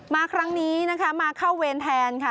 มาครั้งนี้นะคะมาเข้าเวรแทนค่ะ